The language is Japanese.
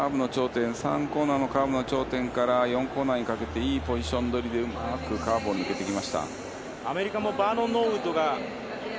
３コーナーのカーブの頂点から４コーナーにかけていいポジション取りで抜いていきました。